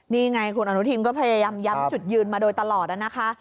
นี่ไงคุณอนุทินก็พยายามย้ำจุดยืนมาโดยตลอดนะคะ